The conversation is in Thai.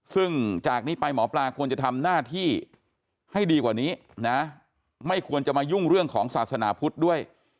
ซึ่งจากนี้ไปหมอปลาควรจะทำหน้าที่ให้ดีกว่านี้นะไม่ควรจะมายุ่งเรื่องของศาสนาพุทธด้วย